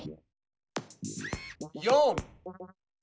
４。